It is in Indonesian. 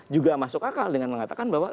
juga masuk akal dengan mengatakan bahwa